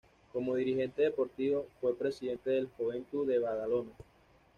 Como dirigente deportivo, fue presidente del Joventut de Badalona.